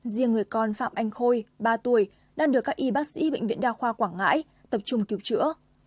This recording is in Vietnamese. riêng người con phạm anh khôi ba tuổi đang được các y bác sĩ bệnh viện đa khoa quảng ngãi tập trung cứu chữa